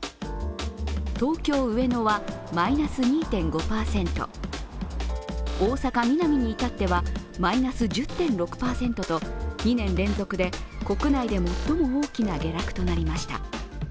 東京・上野はマイナス２．５％、大阪・ミナミに至ってはマイナス１０．６％と２年連続で国内で最も大きな下落となりました。